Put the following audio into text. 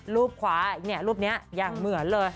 รูปขวารูปนี้อย่างเหมือนเลย